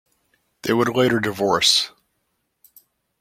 They would later divorce.